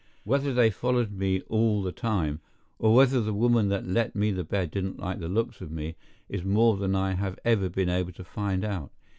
Whether they followed me all the time, or whether the woman that let me the bed didn't like the looks of me, is more than I have ever been able to find out.